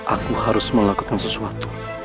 aku harus melakukan sesuatu